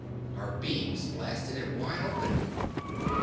Our beams blasted it wide open.